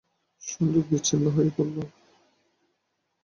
সংযোগ বিচ্ছিন্ন হয়ে পড়লো?